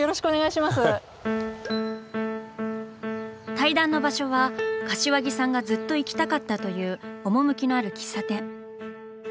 対談の場所は柏木さんがずっと行きたかったという趣のある喫茶店。